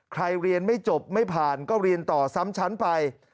เรียนไม่จบไม่ผ่านก็เรียนต่อซ้ำชั้นไป